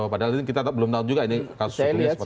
padahal ini kita belum tahu juga ini kasus sebelumnya seperti apa